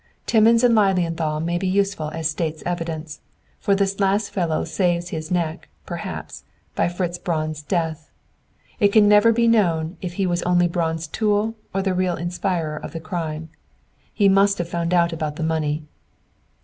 "Timmins and Lilienthal may be useful as State's evidence, for this last fellow saves his neck, perhaps, by Fritz Braun's death. It can never be known if he was only Braun's tool or the real inspirer of the crime. He must have found out about the money!"